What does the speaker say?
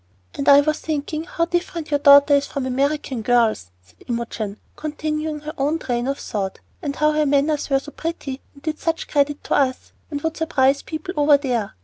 "And I was thinking how different your daughter is from the American girls!" said Imogen, continuing her own train of thought; "and how her manners were so pretty, and did such credit to us, and would surprise people over there!